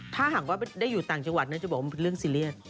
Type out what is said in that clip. ถ้าหากว่าได้อยู่ต่างจังหวัดน่าจะบอกว่ามันเป็นเรื่องซีเรียส